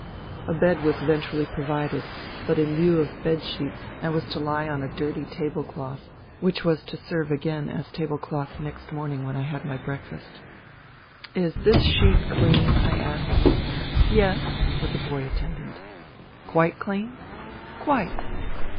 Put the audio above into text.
A bed was eventually provided, but in lieu of bed sheets I was to lie on a dirty table cloth which was to serve again as table cloth next morning when I had my breakfast. 11 12 FUTILITY " Is this sheet clean ?" I asked. " Yes," said the boy attendant. " Quite clean ?"" Quite."